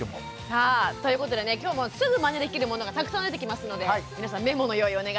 さあということでね今日もすぐマネできるものがたくさん出てきますので皆さんメモの用意お願いします。